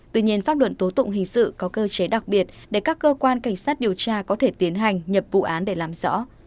tuy nhiên pháp luận tố tụng hình sự có cơ chế đặc biệt để các cơ quan cảnh sát điều tra có thể tiến hành nhập vụ án để làm rõ